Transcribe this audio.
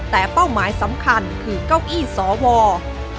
แต่เป้าหมายสำคัญคือเก้าอี้สว